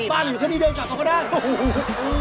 บ้านอยู่ข้างนี้เดินกลับเข้าข้างหน้า